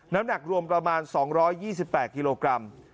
น้ำหนักรวมประมาณ๒๒๘กิโลกรัม